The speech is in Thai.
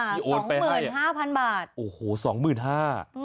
ที่โอนไปให้โอ้โห๒๕๐๐๐บาทโอ้โห๒๕๐๐๐บาท